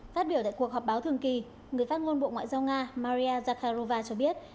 phát biểu tại cuộc họp báo thường kỳ người phát ngôn bộ ngoại giao nga maria zakharova cho biết